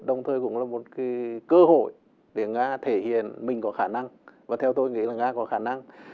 đồng thời cũng là một cơ hội để nga thể hiện mình có khả năng và theo tôi nghĩ là nga có khả năng